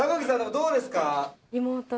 どうですか？